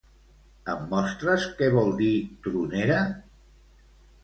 Em mostres què vol dir tronera?